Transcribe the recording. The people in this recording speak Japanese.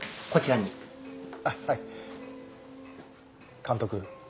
監督。